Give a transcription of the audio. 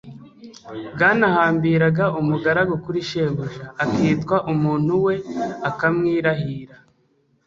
Bwanahambiraga umugaragu kuri shebuja, akitwa umuntu we akamwirahira.